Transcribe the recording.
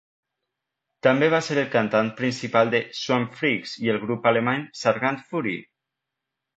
També va ser el cantant principal de Swampfreaks i el grup alemany Sargant Fury.